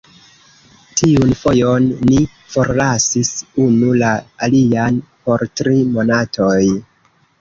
Tiun fojon, ni forlasis unu la alian por tri monatoj.